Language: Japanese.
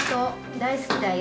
大好きだよ」。